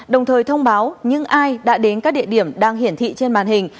đồng thời thông báo những ai đã đến các địa điểm đang hiển thị trên màn hình